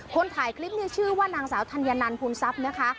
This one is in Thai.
คนถ่ายคลิปเนี่ยชื่อว่านางสาวธัญนันภูนทรัพย์นะคะ